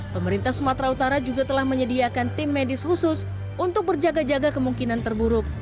pemerintah sumatera utara juga telah menyediakan tim medis khusus untuk berjaga jaga kemungkinan terburuk